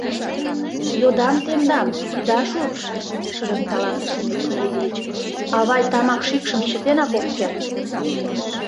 — Йодам тендам, ида шупш, — шыдын каласыш Дмитрий Ильич, — авай тамак шикшым чытенак ок керт.